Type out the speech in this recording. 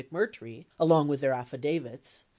891 along with their affidavits.